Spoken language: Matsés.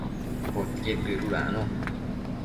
Podquied dëdudacno